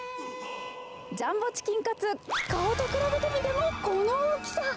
ジャンボチキンカツ、顔と比べてみてもこの大きさ。